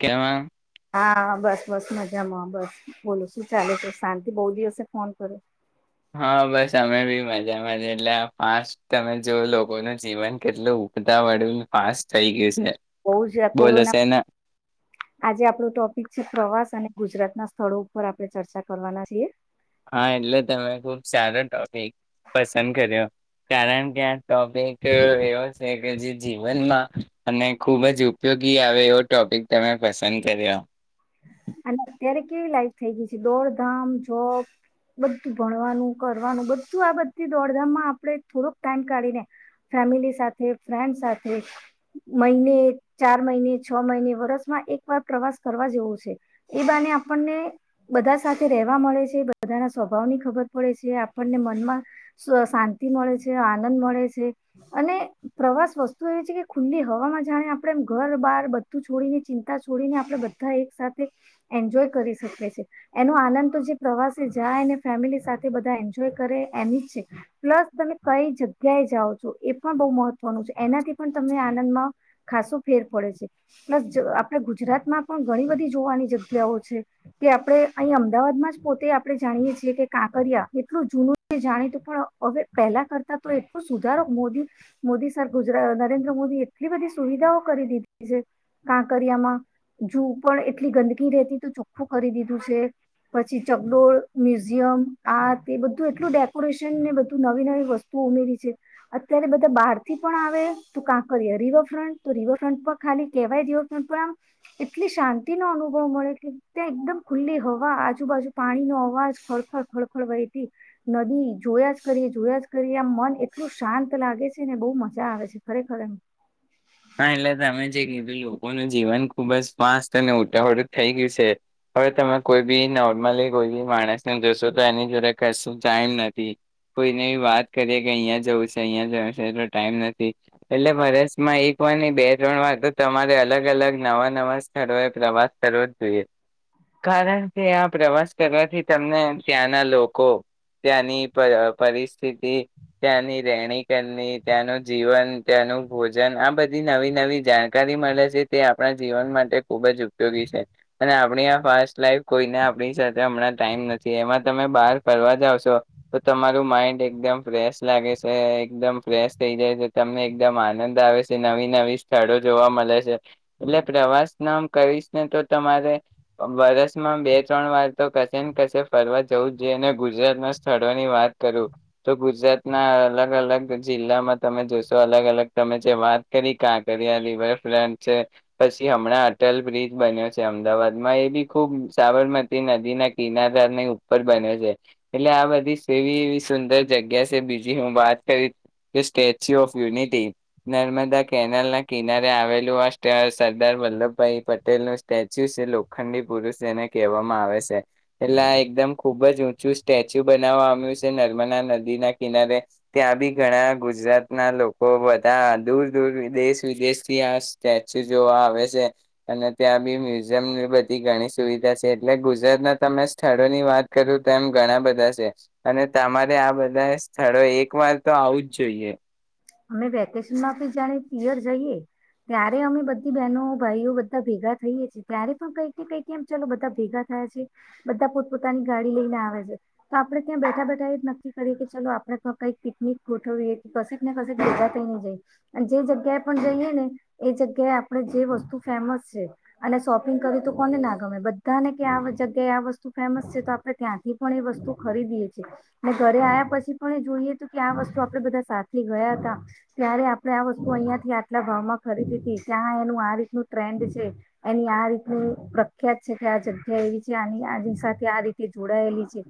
કેમાં હા બસ બસ મજામાં બસ બોલો શું ચાલે છે શાંતિ બહુ દિવસે ફોન કર્યો હા બસ અમે બી મજામાં એટલે આ ફાસ્ટ તમે જો લોકોનું જીવન કેટલું ઊગતા વળું ફાસ્ટ થઈ ગયું છે બઉ જ બોલો કોરોના છે ને આજે આપણો ટોપિક છે પ્રવાસ અને ગુજરાત ના સ્થળો ઉપર આપડે ચર્ચા કરવાના છીએ હા એટલે તમે ખુબ સારો ટોપિક પસંદ કર્યો કારણ કે આ ટોપિક એવો છે કે જે જીવનમાં અને ખુબ જ ઉપયોગી આવે એવો ટોપિક તમે પસંદ કર્યો અને અત્યારે કેવી લાઈફ થઈ ગઈ છે દોડધામ જોબ બધું ભણવાનું કરવાનું બધું આ બધી દોડધામમાં આપડણે થોડોક ટાઈમ કાઢીને ફેમિલી સાથે ફ્રેન્ડ સાથે મહિને ચાર મહિને છ મહિને વરસમાં એક વાર પ્રવાસ કરવા જેવ છે એ બાને આપણને બધા સાથે રહેવા મળે છે બધાના સ્વભાવની ખબર પડે છે આપણને મનમાં શાંતિ મળે છે આનંદ મળે છે અને પ્રવાસ વસ્તુ એવી છે કે ખુલ્લી હવામાં જાણે આપણે એમ ઘર બાર બધું છોડીને ચિંતા છોડીને આપણે બ એક સાથે એન્જોય કરી શકે છે એનો આનંદ તો જે પ્રવાસે જાય ને ફેમિલી સાથે બધા એન્જોય કરે એની જ છે પ્લસ તમે કઈ જગ્યાએ જાઓ છો એ પણ બહુ મહત્વનું છે એનાથી પણ તમને આનંદમાં ખાસો ફેર પડે છે પ્લસ આપણા ગુજરાતમાં પણ ઘણી બધી જોવાની જગ્યાઓ છે કે આપણે અહી અમદાવાદમાં જ પોતે આપણે જાણીએ છીએ કે કાંકરિયા એટલું જૂનું છે જાણીતું પણ હવે પહેલા કરતા તો એટલો સુધારો મોદી મોદી સર ગુજરા નરેન્દ્ર મોદી એટલી બધી સુવિધાઓ કરી દીધી છે કાંકરિયામાં જો પણ એટલી ગંદકી રતી તો ચોખ્ખું કરી દીધું છે પછી ચગડોળ મ્યુઝિયમ આત એ બધું એટલું ડેકોરેશન ને બધું નવી નવી વસ્તુ ઉમેરી છે અત્યારે બધા બહાર થી પણ આવે તો કાં કરીએ રિવરફ્રન્ટ તો રિવરફ્રન્ટ પણ ખાલી કહેવાય રિવરફ્રન્ટ પર આમ એટલી શાંતિનોો અનુભવ મળે કે ત્યાં એકદમ ખુલ્લી હવા આજુબાજુ પાણીનો અવાજ ખળફળ ખળફળ વહેતી નદી જોયા જ કરી જોયા જ કરીએ આમ મન એટલું શાંત લાગે છે ને બહુ મજા આવે છે ખરેખર હા એટલે તમે જે કીધું લોકોનું જીવન ખૂબ જ ફસ્્ટ અને ઉટાહળું થઈ ગયું છે હવે તમે કોઈ બી નોર્મલી કોઈ બી માણસને જશો તો એની જોડે કશું ટાઈમ નથી કોઈને બ વાત કરીએ કે અહીંયા જવું છે અહીંયા જવું છે એટલો ટાઈમ નથી એટલે મા રસ માં એક ની બે ત્રણ વા તો તમારે અલગ અલગ નવા નવા સ્થળોએ પ્રવાસ કરવો જ જોઈએ કારણ કે આ પ્રવાસ કરવાથી તમને ત્યાંના લોકો ત્યાંની પરિસ્થિતિ ત્યાંની રહેણી કરણી ત્યાંનું જીવન ત્યાંનું ભોજન આ બધું બ નવી નવી જાણકારી મળે છે તે આપણા જીવન માટે ખૂબ જ ઉપયોગી છે અને આપણી આ ફાસ્ટ લાઈફ કોઈને આપણી સાથે હમણાં ટાઈમ નથી એમાં તમે બહાર ફર જાાવશો તો તમારું માઈન્ડ એકદમ ફ્રેશ લાગે છે એકદમ ફ્રેશ થઈ જાય છે તમને એકદમ આનંદ આવે જે નવી નવી સ્થળો જોવા મળે છે એટલે પ્રવાસ ના કરીશ ને તો તમારે વરષમાં બે ત્રણ વાર તો કશે ને કશે ફરવા જવું જ જોઈએ અને ગુજરાતના સ્થળોની વાત કરું તો ગુજરાતના અલગ અલગ જિલ્લામાં તમે જોશો અલગ અલગ તમે જે વાત કરી કાંકર આ રિવરફ્રન્ટ છે પછી હમણાં અટલ બ્રિજ બન્યો છે અમદાવાદમાં એ બી ખુબ સાબરમતી નદી ના કિનારાની ઉપ બને છે એટલે આ બધી કેવી એવી સુંદર જગ્યા છે બીજી હું વાત કરી કે statue of unity Narmada canal ના કિનારે આવેલું આ સરદાર વલ્લભભાઈ પટેલ નું સ્ટેચ્યુ છે લોખંડી પુરુષ જેને કહેવામાં આવે છે એટલે એકદમ ખુબ જ ચું સ્ટેચ્યુ બનાવવા આવ્યું છે નર્મદા નદી ના કિનારે ત્યાં બી ઘણા ગુજરાત ના લોકો બધા દૂર દૂર વિદેશ વિદેશ થી આ સ્ટેચ્યુ જોવા આવે છે અને ત્યાં બી મ્યુઝિયમ બધી ઘણી સુવિધા છે એટલે ગુજરાતના તમે સ્થળોની વાત કરો તો એમ ઘણા બધા છે અને તમારે આ બધા સ્થળો એક વાર તો આવું જ જોઈએ. અમે વેકેશન માં આપી જાણી પયર જઈએ ત્યારે અમે બધી બહેનો ભાઈઓ બધા ભેગા થઈએ છીએ ત્યારે પણ કઈ કઈમ ચાલો બધા ભેગા થયા છે બધા પોતપોતાની ગાડી લઈને આવે છે તો આપડે ક્યાં બેઠા-બેઠા એ જ નથી કરીએ કે ચલો આપડે કઈક પિકનિક ગોઠવીએ કશે [unintelligible] અને જે જગ્યાએ પણ જઈએ ને એ જગ્યાએ આપણે જે વસ્તુ ફેમસ છે અને શોપિંગ કર તો કોને ના ગમે બધાને કે આ જગ્યાએ આ વસ્તુ ફેમસ છે તો આપણે ત્યાંથી પણ એ વસ્તુ ખરીદીએ છીએ ને ઘરે આવ્યા પછી પણ એ જોઈએ તો કે આ વસ્તુ આપણે બધા સાથે ગયા હતા ત્યારે આપણે આ વસ્તુ અહિયાંથી આટલા ભાવમાં ખરીદી હતી ત્યાં એનું આ રીતનું ટ્રેન્ડ છે એની આ રીતનું પ્રખ્યાત છે કે આ જગ્યા એવી છે આ આની સાથે આ રીતે જોડાયેલી છે.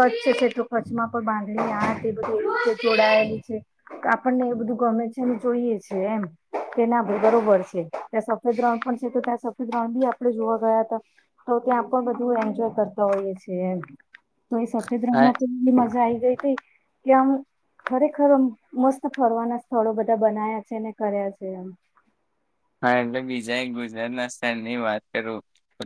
કચ્છ છે તો કચ્છમાં પણ બાંધણી આ બધું રીતે જોડાયેલી છે. આપણને એ બધું ગમે છેને જોઈએ છે એમ તેને બરોબર છે ત્યાં સફેદ ગ્રાઉન્ડ પણ છે તો ત્યાં સફેદ ગ્રાઉન્ડ બી આપણે જોવા ગયા હતા તો ત્યાં પણ બધું એન્જોય કરતા હોઈએ છીએ છે એમ તો એ સફેદ રણ આ માં કેટલી મજા આઈ જ કે આમ ખરેખર મસ્ત ફરવાના સ્થળો બધા બનાયા છે ને કર્યા છે એમ હા એટલે બીજા એક ગુજરાત ના સ્થરની વાત કરું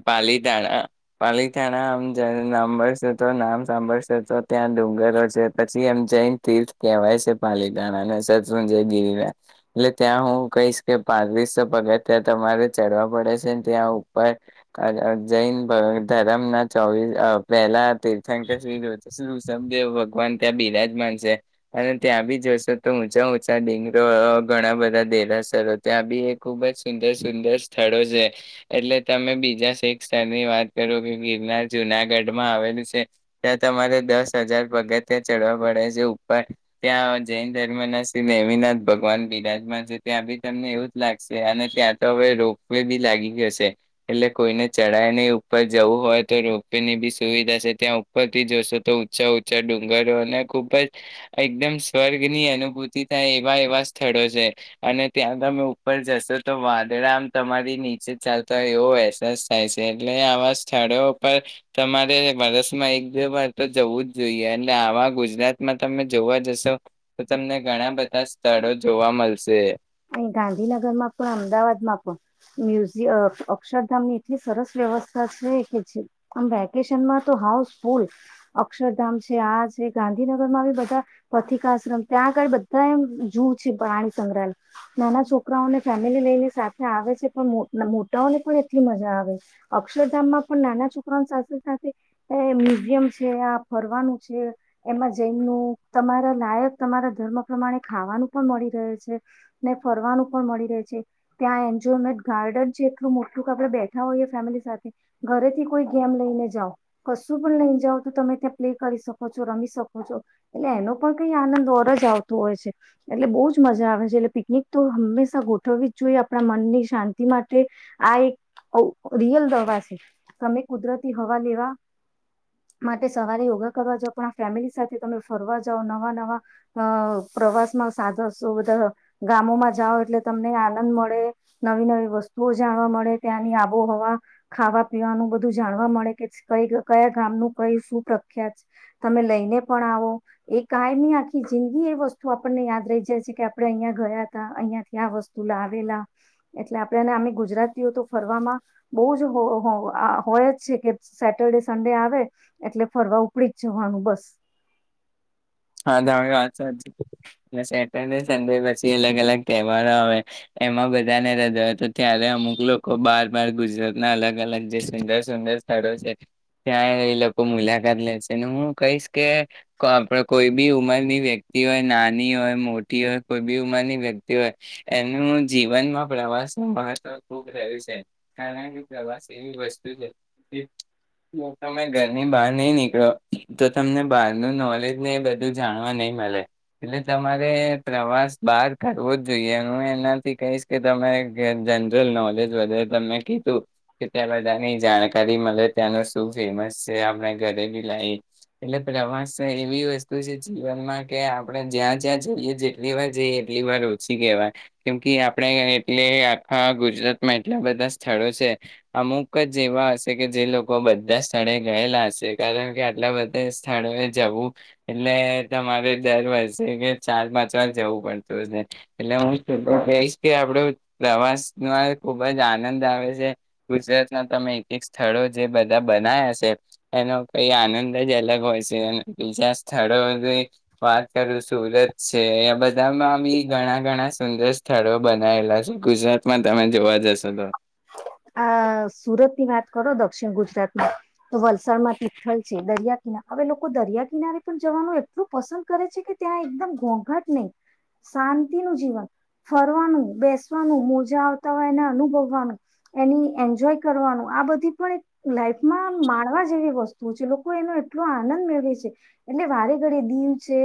પાલીતાણા પાલીતાણા આમ જ સાંભળશ તો નામ સાંભળશે તો ત્યાં ડુંગરો છે પછી એમ જઈને તીર્થ કહેવાય છે પાલીતાણાને સરસુંજય ગીરિના એટલે ત્યાં હું કહીશ કે પા ગત્યાં તમારે ચડવા પડે છે ત્યાં ઉપર જૈન ધરમ ના ચોવીસ પહેલા તીર્થંક શ ઋષભદેવ ભગવાન ત્યાં બિરાજમાન છે અને ત્યાં બી જોશો તોઉંચા ઉંચા ડિંગરો ઘણા બધા દેરાસરો ત્યાં બી ખુબ જ સુંદર સુંદર સ્થળો છે એટલે તમે બીજા શેખ સ્થળની વાત કરો કે ગિરનાર જુનાગઢમાં આવેલું છે ત્યાં તમારે દસ હજાર પગ ત્યાં ચડવા પડે છે ઉપર ત્યાં જૈન ધર્મ ના શ્રી દેમનાથ ભગવાન બિરાજમાન છે ત્યાં બી તમને એવું જ લાગે અને ત્યાં તો હવે રોપવે બી લાગી જશે એટલે કોઈને ચઢાઈ ને ઉપર જવું હોય તો રોપવે ની બી સુવિધા છે ત્યાં ઉપર થી જોશો તો ઊંચા ઉંચા ડુંગરો અને ખુબ જ એકદમ સ્વર્ગની અનુભૂતિ થાય એવા એવા સ્થળો છે અને ત્યાં તમે ઉપર જશો તો વાદળામ તમારી નીચે ચાલતા હોય એવો અહેસાસ થાય છે એટલે આવા સ્થળો પર તમારે વર્ષમાં એક બે વાર તો જવું જ જોઈએ એટલે આવા ગુજરાતમાં તમે જોવા જશો તો તમને ઘણા બધા સ્થળો જોવા મલ્સે અહી ગાંધીનગરમાં પણ અમદાવાદમાં પણ મ્યુઝિયમ અ અક્ષરધામ ની એટલી સરસ વ્યવસ્થા છે કે જે આમ વેકેશનમાં તો હાઉસફૂલ અક્ષરધામ છે આ છે ગાંધીનગરમાં બી બધા પથિકાશ્રમ ત્યાં આગળ બધા એમ જ છે પ્રાણી સંગ્રહાલય નાના છોકરાઓને ફેમિલી લઈને સાથે આવે છે પણ મોટાઓને પણ એટલી મજા આવે અક્ષરધામમાં પણ નાના છોકરાઓની સાથે સાથે મ્યુઝિયમ છે આ ફરવાનું છે એમાં જઈનું તમારા લાયક તમારા ધર્મ પ્રમાણે ખાવાનું પણ મળી રહે છે ને ફરવા નો પણ મળી રહે છે ત્યાં એન્જોયમેન્ટ ગાર્ડન છે એટલું મોટું કે આપડે બેઠા હોઈએ ફેમિલી સાથે ઘરેથી કોઈ ગેમ લઈને જાઓ કશું પણ નઈ જાઓ તો તમે ત્યાં પ્લે કરી શકો છો રમી શકો છો એટલે એનો પણ કઈ આનંદ વરજ આવતો હોય છે એટલે બહુ જ મજા આવે છે એટલે તો હંમેશા ગોઠવવી જ જોઈએ આપણા મનની શાંતિ માટે આ એક રિયલ દવા છે તમે કુદરતી હવા લેવા માટે સવારે યોગા કરવા જાવ પણ ફેમિલી સાથે તમે ફરવા જઓ નવા નવા પ્રવાસમાં સાજાશો બધા ગામોમાં જાઓ એટલે તમને આનંદ મળે નવી-નવી વસ્તુઓ જાણવા મળે ત્યાંની આબોહવા ખાવા પીવાનું બધું જાણવા મળે કે કઈ કયા ગામ ન કઈ શું પ્રખ્યાત તમે લઈને પણ આવો એ કઈ ની આખી જિંદગી એ વસ્તુ આપણને યાદ રહી જાય છે કે આપણે અહીયાં ગયા તા અહિયાંથી આ વસ્તુ લાવેલા એટલે આપણે અમે ગુજરાતીઓ તો ફરમાં બો જ હ હોય જ છે કે સેટરડે સન્ડે આવે એટલે ફરવા ઉપડી જ જવાનું બસ. [unintelligible] [unintelligible] સંડે પછી અલગ-અલગ તહેવારો આવે એમાં બધાને હૃદય હતો ત્યારે અમુક લોકો બાર બાર ગુજરાતના અલગ અલગ જે સુંદર સુંદર સ્થળો છે ત્યાં એ લોકો મુલાકાત લેશે અનેને હું કહીશ કે કો આપડ કોઈ બી ઉંમરની વ્યક્તિ હોય નાની હોય મોટી હોય કોઈ બી ઉંમરની વ્યક્તિ હોય એનું જીવનમાં પ્રવાસનું મહત્ત્વ ખુબ જરૂરી છે કારણ કે પ્રવાસ એવી વસ્તુ છે જો તમે ઘરની બહાર નહીં નીકળો તો તમને બહારનું નોલેજ ને બધું જાણવા નહી મળે. એટલે તમારે પ્રવાસ બહાર કરવો જ જોઈએ હું એનાથી કહીશ કે તમારે જનરલ નોલેજ વધારે તમને કીધું કે ત્યાં બધાની જાણકારી મળે ત્યાંનું શું ફેમસ છે આપણે ઘરે બી લઈ એટલે પ્રવાસ એ વસ્તુ છે જીવનમાં કે આપણે જ્યાં જ્યાં જઈએ જેટલી વાર જઈએ એટલી વાર ઓછી કહેવાય કેમ કે આપણે એટલે આખા ગુજરાતમાં એટલા બધા સ્થળો છે અમુક જ એવા હશે કે જે લોકો બધા સ્થળે ગયેલા હશે કારણ કે આટલા બધા સ્થળોએ જવું એટલે તમારે દર વર્ષે કે ચાર પાંચ વાર જવું પડતુ હશે, એટલે હું કઈશ કે આપડો પ્રવાસમાં ખુબ જ આનંદ આવે છે ગુજરાતના તમે એક એક સ્થળો જે બધા બનાયા છે એનો કઈ આનંદ જ અલગ હોય છે બીજા સ્થળોની વાત કરું સુરત છે બધામાં બી ઘણા ઘણા સુંદર સ્થળો બનાયલા છે ગુજરાતમાં તમે જોવા જશો તો આ સુરતની વાત કરો દક્ષિણ ગુજરાતમાં તો વલસાડમાં તિ્થલ છે, દરિયા કિના હવે લોકો દરિયા કિનારે પણ જવાનું એટલું પસંદ કરે છે કે ત્યાં એકદમ ઘોઘાટ નહીં શાંતિનું જીવન ફરવાનું બેસવાનું મોજા આવતા હોય એને અનુભવવાનું એની એન્જોય કરવાનું આ બધી પણ એક લાઈફમાં માણવા જેવી વસ્તુ છે લોકો એનો એટલો આનંદ મેળવે છે એટલે વારે ઘડી દીવ છે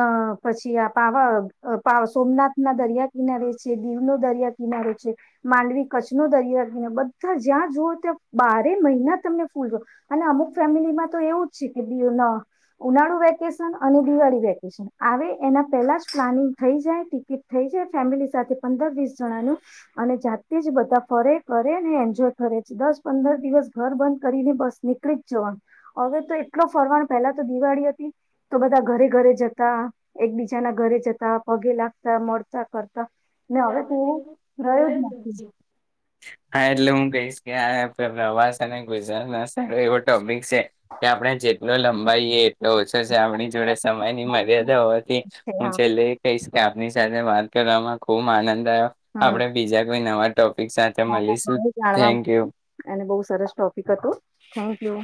અ પછી આ પાવા સોમનાથ ના દરિયા કિનારે છે દીવનો દરિયા કિનારો છે માંડવી કચ્છનો દર બધા જ્યાં જુઓ ત્યાં બારે મહિના તમને ફૂલ અને અમુક ફેમિલીમાં તો એવું જ છે કે ઉનાળુ વેકેશન અને દિવાળી વેકેશન આવે એના પહેલા જ પ્લાનિંગ થઈ જાય ટિકિટ થઈ જાય ફેમિલી સાથે પંદર વીસ જણાનું અને જાતે જ બધા ફરે કરે ને એન્જોય કરે છે દસ પંદર દિવસ ઘર બંધ કરીને બસ નીકળી જ જવાનું હવે તો એટલો ફરવાનો પહેલા તો દિવાળી હતી તો બધા ઘરે ઘરે જતા એકબીજાના ઘરે જતા પગે લાગતા મળતા કરતા [unintelligible] ને હવે કોવું રહ્યું જ નથી. હા એટલે હું કઈ [unintelligible] પ્રવાસ અને ગુજરાત [unintelligible] એવો ટોપિક [unintelligible] કે આપણે જે લઈ લમ ભાઈ એટલો ઓછો છે આપણી જોડે સમય ની મર્યાદા હોવાથી છે હું હા છેલ્લે એ કહીક આપની સાથે વાત કરવામાં ખૂબ આનંદ આપડે બીજા કોઈ નવા ટોપિક સાથે હ મળીશું જાણવા થેન્ક યુ મળ્યું અને બહ સરસ ટોપિક હતું થેન્કયુ